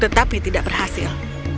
tetapi tidak berhasil